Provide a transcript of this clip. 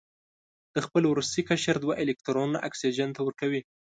د خپل وروستي قشر دوه الکترونونه اکسیجن ته ورکوي.